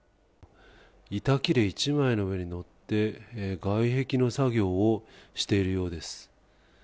板切れ一枚の上に乗って、外壁の作業をしているようです。